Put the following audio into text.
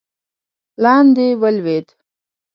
لاندې ولوېد.